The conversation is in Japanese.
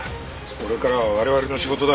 これからは我々の仕事だ。